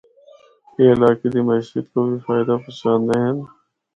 اے علاقے دی معیشت کو بھی فائدہ پہنچاندے ہن۔